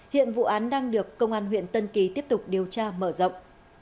hiện vụ án đang được công an huyện tân kỳ tiếp tục điều tra mở rộng